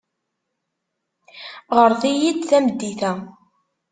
Ɣret-iyi-d tameddit-a.